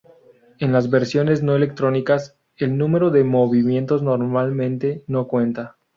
En las versiones no electrónicas, el número de movimientos normalmente no cuenta.